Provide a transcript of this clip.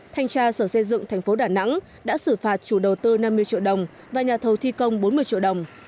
thanh tra sở xây dựng thành phố đà nẵng đã xử phạt chủ đầu tư năm mươi triệu đồng và nhà thầu thi công bốn mươi triệu đồng